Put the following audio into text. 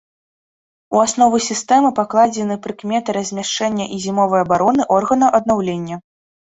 У аснову сістэмы пакладзены прыкметы размяшчэння і зімовай абароны органаў аднаўлення.